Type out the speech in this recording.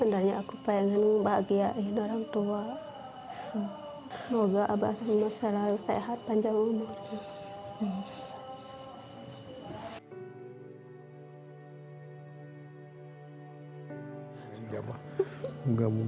demi mengurangi beban di masa tua